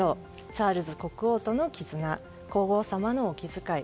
チャールズ国王との絆皇后さまのお気遣い。